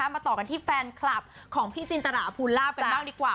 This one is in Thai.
มาต่อกันที่แฟนคลับของพี่จินตราภูลาภกันบ้างดีกว่า